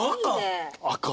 赤？